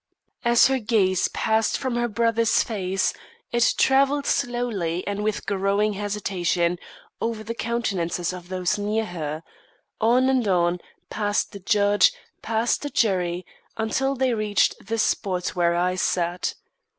As her gaze passed from her brother's face, it travelled slowly and with growing hesitation over the countenances of those near her, on and on past the judge, past the jury, until they reached the spot where I sat.